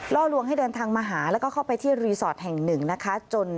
ล่อลวงให้เดินทางมาหาแล้วก็เข้าไปที่รีสอร์ทแห่งหนึ่งนะคะ